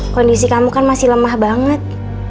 kondisi kamu kan masih lemah banget